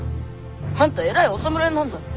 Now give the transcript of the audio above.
あんた偉いお侍なんだろ？